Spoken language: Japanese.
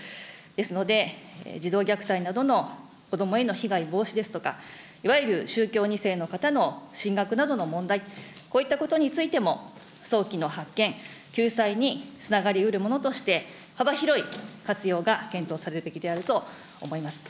ですので、児童虐待などの子どもへの被害防止ですとか、いわゆる宗教２世の方の進学などの問題、こういったことについても、早期の発見、救済につながりうるものとして、幅広い活用が検討されるべきであると思います。